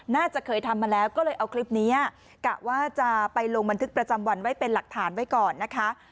น่าจะเคยทำมาแล้วก็เลยเอาคลิปนี้กะว่าจะไปลงบันทึกประจำวันไว้เป็นหลักฐานไว้ก่อนนะคะ